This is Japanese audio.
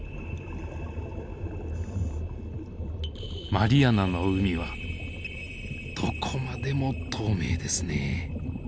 マリアナの海はどこまでも透明ですね。